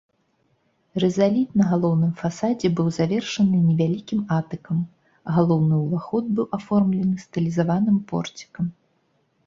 Рызаліт на галоўным фасадзе быў завершаны невялікім атыкам, галоўны ўваход быў аформлены стылізаваным порцікам.